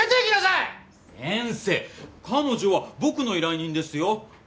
先生彼女は僕の依頼人ですよ。